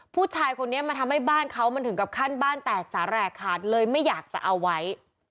ผู้ชายคนนี้มันทำให้บ้านเขามันถึงกับขั้นบ้านแตกสาแหลกขาดเลยไม่อยากจะเอาไว้